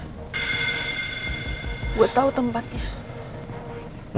gue tau tempatnya